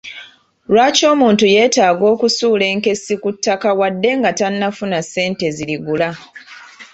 Lwaki omuntu yeetaaga okusuula enkessi ku ttaka wadde nga tannafuna ssente zirigula?